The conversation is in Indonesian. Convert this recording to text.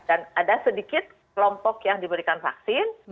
dan ada sedikit kelompok yang diberikan vaksin